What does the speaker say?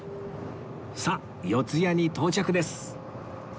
さあ四谷に到着です